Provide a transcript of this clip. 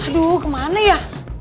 aduh kemana ya